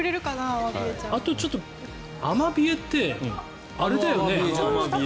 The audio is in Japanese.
あとちょっとアマビエってあれだよね。